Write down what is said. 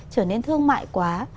trở nên thương mại quá